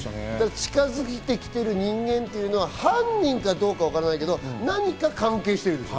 近づいてきてる人間というのは犯人かどうかわからないけど何か関係している。